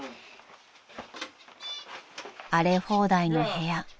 ［荒れ放題の部屋］